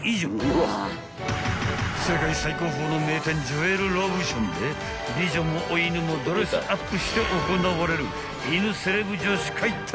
［世界最高峰の名店ジョエル・ロブションで美女もお犬もドレスアップして行われる］